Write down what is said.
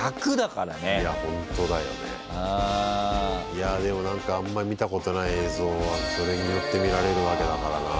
いやでも何かあんまり見たことない映像がそれによって見られるわけだからな。